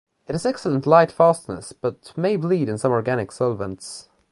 It has excellent light fastness, but may bleed in some organic solvents.